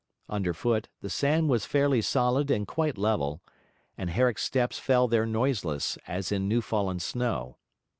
Underfoot, the sand was fairly solid and quite level, and Herrick's steps fell there noiseless as in new fallen snow.